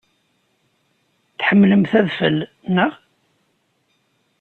Tḥemmlemt adfel, naɣ?